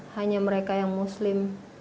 hanya mereka yang muslim